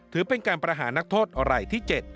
ถือเป็นการประหารนักโทษอะไรที่๗